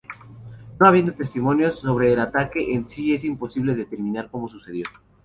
No habiendo testimonios sobre el ataque en sí, es imposible determinar cómo sucedió.